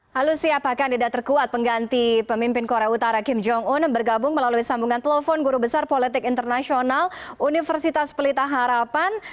halo siapa kandidat terkuat pengganti pemimpin korea utara kim jong un bergabung melalui sambungan telepon guru besar politik internasional universitas pelita harapan